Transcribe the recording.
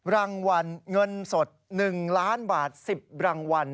รางวัลเงินสด๑ล้านบาท๑๐รางวัล